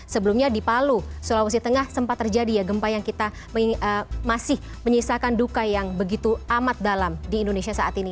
sebelumnya di palu sulawesi tengah sempat terjadi ya gempa yang kita masih menyisakan duka yang begitu amat dalam di indonesia saat ini